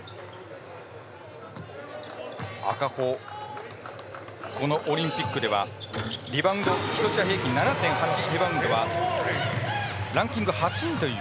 赤穂、このオリンピックではリバウンド１試合平均７．８でランキング８位という。